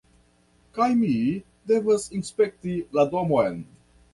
kaj mi devas inspekti la domon.